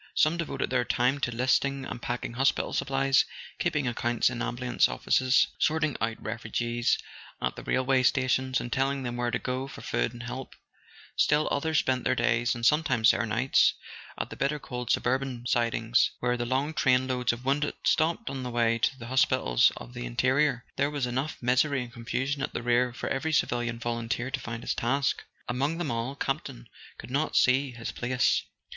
Some devoted their time to listing and packing hospital supplies, keeping accounts in ambulance offices, sorting out refugees at the rail¬ way stations, and telling them where to go for food and help; still others spent their days, and sometimes their nights, at the bitter cold suburban sidings where the long train loads of wounded stopped on the way to the hospitals of the interior. There was enough misery and confusion at the rear for every civilian volunteer to find his task. Among them all, Campton could not see his place.